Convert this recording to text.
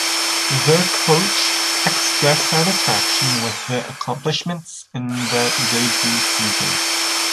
Their coach expressed satisfaction with their accomplishments in their debut season.